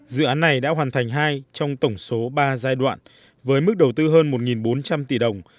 dự án này đã hoàn thành hai trong tổng số ba giai đoạn với mức đầu tư hơn một bốn trăm linh tỷ đồng